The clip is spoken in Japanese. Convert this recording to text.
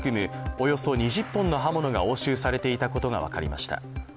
およそ２０本の刃物が押収されていたことが分かりました。